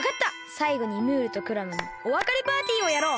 さいごにムールとクラムのおわかれパーティーをやろう！